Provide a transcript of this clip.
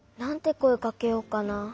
こえかけようかな。